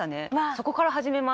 そこから始めます